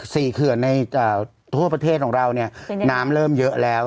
สี่เขื่อนในทั่วประเทศของเรานำเริ่มเยอะแล้ว